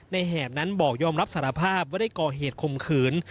แหบนั้นบอกยอมรับสารภาพว่าได้ก่อเหตุคมขืน